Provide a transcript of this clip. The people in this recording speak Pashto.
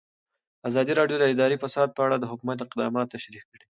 ازادي راډیو د اداري فساد په اړه د حکومت اقدامات تشریح کړي.